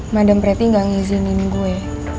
madam prati gak ngizinin gue